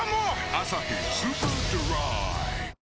「アサヒスーパードライ」